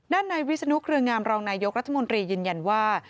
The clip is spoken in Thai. ด้านในวิสนุกเรืองามรองนายต์รัฐมนโลกร์ยังว่า